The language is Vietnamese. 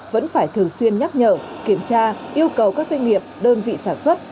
vẫn phải thường xuyên nhắc nhở kiểm tra yêu cầu các doanh nghiệp đơn vị sản xuất